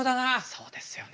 そうですよね。